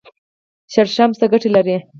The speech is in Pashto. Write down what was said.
شړشم څه ګټه لري؟